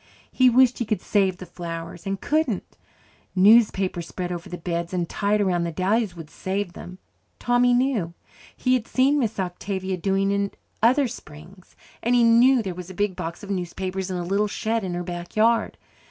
He wished he could save the flowers. And couldn't he? Newspapers spread over the beds and tied around the dahlias would save them, Tommy knew. He had seen Miss Octavia doing it other springs. And he knew there was a big box of newspapers in a little shed in her backyard.